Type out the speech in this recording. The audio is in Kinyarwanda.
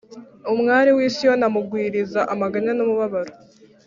umwari w’i Siyoni amugwiriza amaganya n’umubabaro.